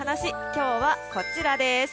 今日は、こちらです。